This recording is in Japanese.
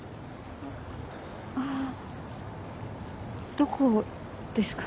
あっどこですか？